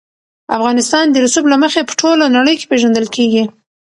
افغانستان د رسوب له مخې په ټوله نړۍ کې پېژندل کېږي.